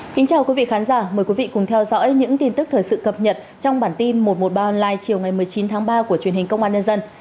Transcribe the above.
xin chào quý vị khán giả mời quý vị cùng theo dõi những tin tức thời sự cập nhật trong bản tin một trăm một mươi ba online chiều ngày một mươi chín tháng ba của truyền hình công an nhân dân